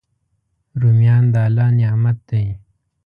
رومیان د الله نعمت دی